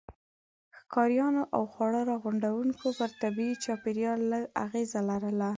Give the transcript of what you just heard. ښکاریانو او خواړه راغونډوونکو پر طبيعي چاپیریال لږ اغېزه لرله.